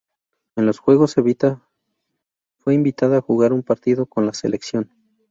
En los Juegos Evita, fue invitada a jugar un partido con la selección.